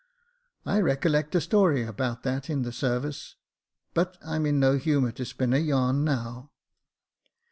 I recollect a story about that in the sarvice, but I'm in no humour to spin a yarn now.